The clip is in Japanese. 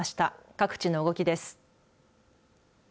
各地の動きです。